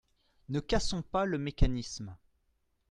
Ne cassons pas le mécanisme.